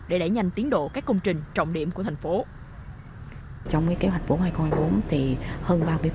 để đẩy nhanh tiến độ các công trình trọng điểm của tp hcm